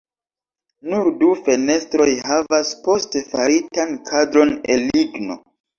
Nur du fenestroj havas poste faritan kadron el ligno.